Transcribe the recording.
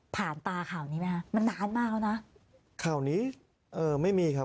ตาข่าวนี้ไหมคะมันนานมากแล้วนะข่าวนี้เออไม่มีครับ